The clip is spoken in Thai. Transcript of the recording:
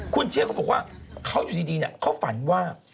คุณเชฟเขาบอกว่าเขาอยู่ดีเขาฝันว่า